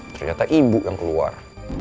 ternyata ibu yang keluar